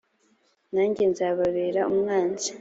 nanjye nzababera umwanzi